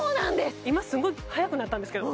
今すごい速くなったんですけど